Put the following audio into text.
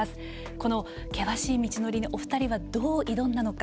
この険しい道のりにお二人はどう挑んだのか。